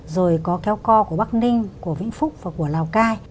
rồi có kéo co của bắc ninh của vĩnh phúc và của lào cai